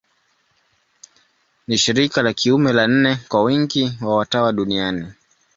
Ni shirika la kiume la nne kwa wingi wa watawa duniani.